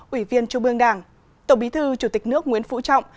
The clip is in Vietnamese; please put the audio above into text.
ủy viên trung mương đảng tổng bí thư chủ tịch nước nguyễn phụ trọng